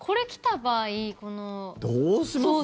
どうします？